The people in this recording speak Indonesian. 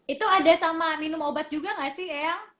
itu ada sama minum obat juga enggak sih